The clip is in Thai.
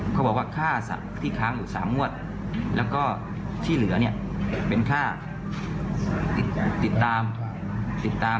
เขาบอกว่าค่าที่ค้างอยู่๓งวดแล้วก็ที่เหลือเป็นค่าติดตาม